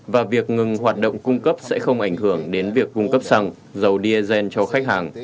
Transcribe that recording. và việc ngừng hoạt động cung cấp sẽ không ảnh hưởng đến việc cung cấp xăng dầu diesel cho khách hàng